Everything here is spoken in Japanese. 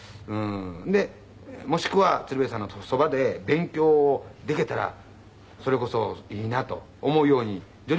でもしくは鶴瓶さんのそばで勉強できたらそれこそいいなと思うように徐々になっていきまして。